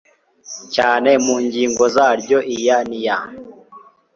cyane mu ngingo zaryo iya n iya